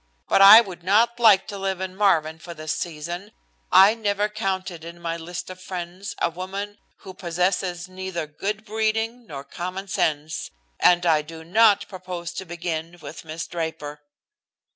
But I would not like to live in Marvin for this season I never counted in my list of friends a woman who possesses neither good breeding nor common sense, and I do not propose to begin with Miss Draper."